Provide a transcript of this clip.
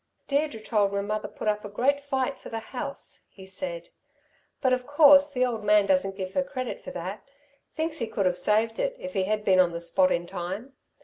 "Deirdre told me mother put up a great fight for the house," he said, "but of course the old man doesn't give her credit for that thinks he could have saved it, if he had been on the spot in time.